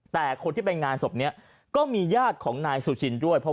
แต่คนที่ไปงานศพนี้ก็มีญาติของนายสุชินด้วย